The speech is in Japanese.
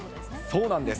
そうなんです。